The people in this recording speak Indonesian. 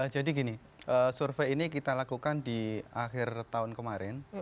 jadi gini survei ini kita lakukan di akhir tahun kemarin